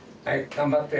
頑張って。